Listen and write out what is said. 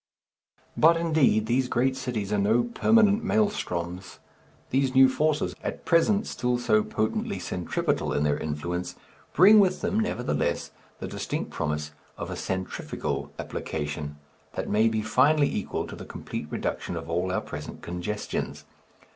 But, indeed, these great cities are no permanent maëlstroms. These new forces, at present still so potently centripetal in their influence, bring with them, nevertheless, the distinct promise of a centrifugal application that may be finally equal to the complete reduction of all our present congestions.